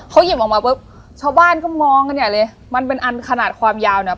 เขาหยิบออกมาปุ๊บชาวบ้านก็มองกันใหญ่เลยมันเป็นอันขนาดความยาวเนี่ย